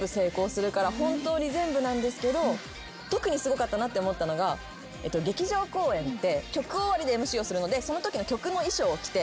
本当に全部なんですけど特にすごかったなって思ったのが劇場公演って曲終わりでＭＣをするのでそのときの。